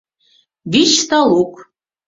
Вич талук